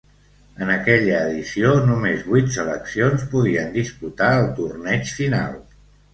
En aquella edició, només vuit seleccions podien disputar el torneig final.